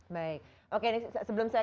baik oke sebelum saya